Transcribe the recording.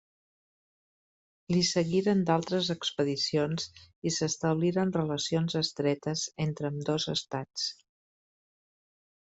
Li seguiren d'altres expedicions i s'establiren relacions estretes entre ambdós estats.